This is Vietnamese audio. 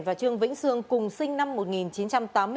và trương vĩnh sương cùng sinh năm